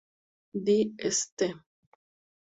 The St.